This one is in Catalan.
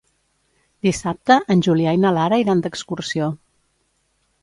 Dissabte en Julià i na Lara iran d'excursió.